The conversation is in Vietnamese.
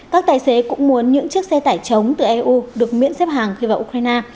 các tài xế cũng muốn những chiếc xe tải chống từ eu được miễn xếp hàng khi vào ukraine